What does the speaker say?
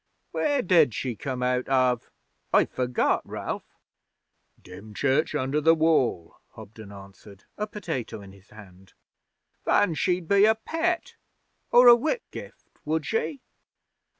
'Where did she come out of? I've forgot, Ralph.' 'Dymchurch under the Wall,' Hobden answered, a potato in his hand. 'Then she'd be a Pett or a Whitgift, would she?'